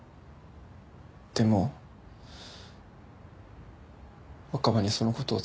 でも若葉にその事を伝えたら。